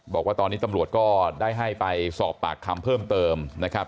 บอกว่าตอนนี้ตำรวจก็ได้ให้ไปสอบปากคำเพิ่มเติมนะครับ